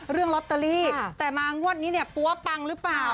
เรื่องลอตเตอรี่แต่มางวดนี้เนี่ยปั๊วปังหรือเปล่า